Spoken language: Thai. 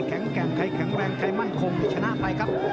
ใครแข็งแรงใครมั่นคงจะชนะไปครับ